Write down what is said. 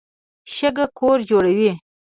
شګه کور جوړوي.